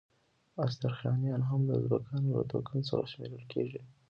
استرخانیان هم د ازبکانو له توکم څخه شمیرل کیږي.